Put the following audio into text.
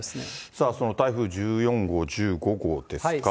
さあ、その台風１４号、１５号ですが。